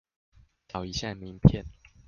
找一下名片